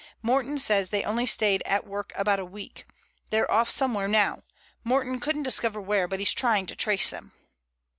"Morton says they only stayed at work about a week. They're off somewhere now. Morton couldn't discover where, but he's trying to trace them."